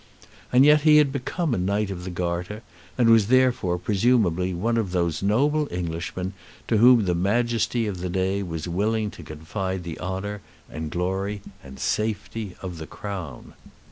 And yet he had become a Knight of the Garter, and was therefore, presumably, one of those noble Englishmen to whom the majesty of the day was willing to confide the honour, and glory, and safety of the Crown.